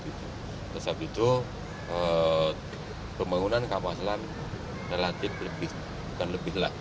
setelah itu pembangunan kapal selam relatif lebih bukan lebih lah